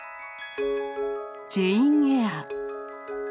「ジェイン・エア」。